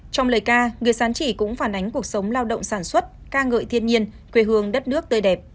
trong lời ca người sán chỉ cũng phản ánh cuộc sống lao động sản xuất ca ngợi thiên nhiên quê hương đất nước tươi đẹp